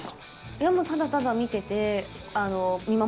いやもうただただ見てて。